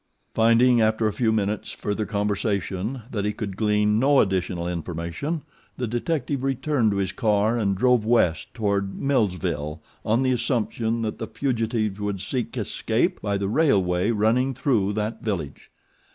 Finding, after a few minutes further conversation, that he could glean no additional information the detective returned to his car and drove west toward Millsville on the assumption that the fugitives would seek escape by the railway running through that village.